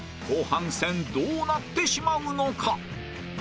後半戦どうなってしまうのか？